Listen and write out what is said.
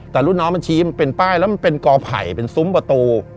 แต่รุ่นน้องมันชี้มันเป็นป้ายแล้วมันเป็นกอไผ่เป็นซุ้มประตู